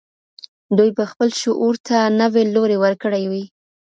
دوی به خپل شعور ته نوی لوری ورکړی وي.